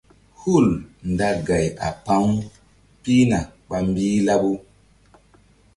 Hul nda gay a pa̧-u pihna ɓa mbih laɓu.